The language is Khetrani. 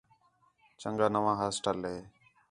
چَنڳا نواں ہاسٹل ہے